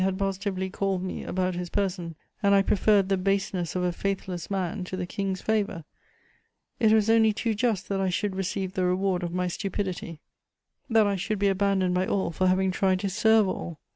had positively called me about his person, and I preferred the baseness of a faithless man to the King's favour: it was only too just that I should receive the reward of my stupidity, that I should be abandoned by all for having tried to serve all.